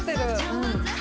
うん。